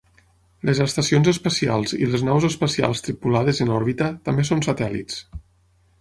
Les estacions espacials i les naus espacials tripulades en òrbita també són satèl·lits.